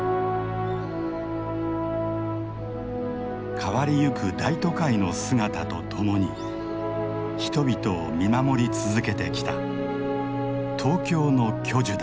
変わりゆく大都会の姿とともに人々を見守り続けてきた東京の巨樹だ。